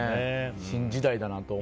新時代だなと。